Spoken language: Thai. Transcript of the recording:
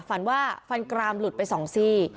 ฝันว่าฟันกรามหลุดไป๒ซี่